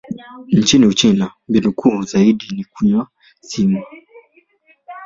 Nchini Uchina, mbinu kuu zaidi ni kunywa sumu.